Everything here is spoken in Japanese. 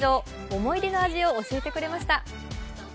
思い出の味を教えてくれました。